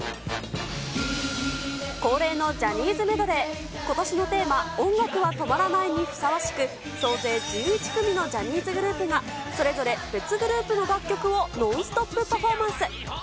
恒例のジャニーズメドレー、ことしのテーマ、音楽は止まらないにふさわしく、総勢１１組のジャニーズグループが、それぞれ別グループの楽曲をノンストップパフォーマンス。